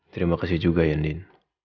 terima kasih juga ya ndin